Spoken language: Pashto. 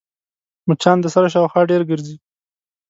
مچان د سر شاوخوا ډېر ګرځي